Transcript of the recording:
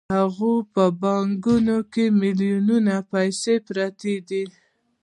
د هغه په بانکونو کې په میلیونونو پیسې پرتې دي